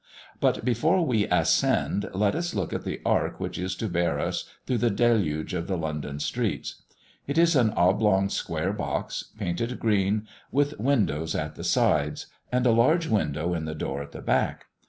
But before we ascend, let us look at the ark which is to bear us through the deluge of the London streets. It is an oblong square box, painted green, with windows at the sides, and a large window in the door at the back.